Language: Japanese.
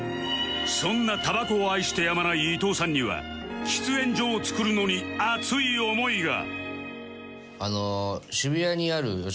そんなタバコを愛してやまない伊藤さんには喫煙所を作るのに熱い思いが